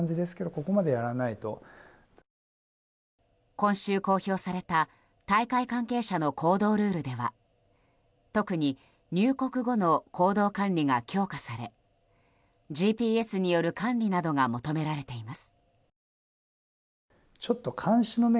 今週、公表された大会関係者の行動ルールでは特に入国後の行動管理が強化されＧＰＳによる管理などが求められています。